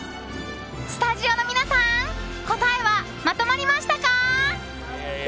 スタジオの皆さん答えはまとまりましたか？